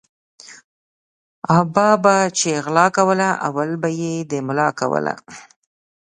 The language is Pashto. ابا به چی غلا کوله اول به یی د ملا کوله